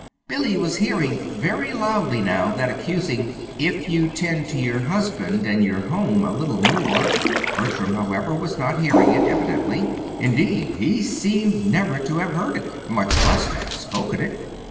Billy was hearing very loudly now that accusing "If you'd tend to your husband and your home a little more " Bertram, however, was not hearing it, evidently. Indeed, he seemed never to have heard it much less to have spoken it.